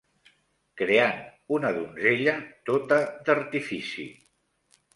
Creant una donzella tota d'artifici